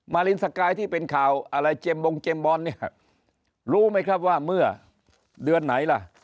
รินสกายที่เป็นข่าวอะไรเจมสบงเจมสบอลเนี่ยรู้ไหมครับว่าเมื่อเดือนไหนล่ะ